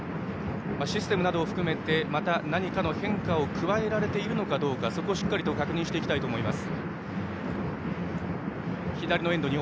システムなどを含めてまた何かの変化を加えられているのかどうかそこをしっかりと確認していきたいと思います。